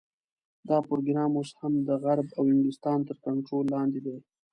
دا پروګرام اوس هم د غرب او انګلستان تر کنټرول لاندې دی.